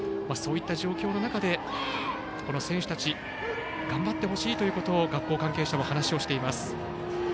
そういった状況の中でこの選手たちには頑張ってほしいということを学校関係者は話をしています。